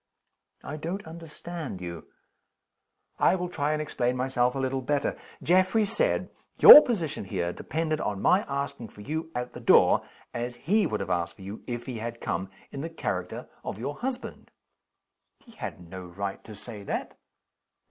"I don't understand you." "I will try and explain myself a little better. Geoffrey said your position here depended on my asking for you at the door (as he would have asked for you if he had come) in the character of your husband." "He had no right to say that."